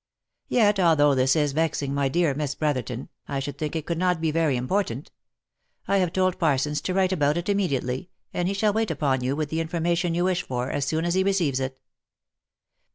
Yet, although this is vexing, my dear Miss Brotherton, I should think it could not be very important. I have told Parsons to write about it immediately, 190 THE LIFE AND ADVENTURES and he shall wait upon you with the information you wish for, as soon as he receives it.